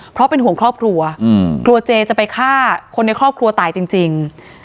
เพราะเป็นห่วงครอบครัวกลัวเจจะไปฆ่าคนในครอบครัวตายจริง